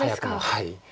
はい。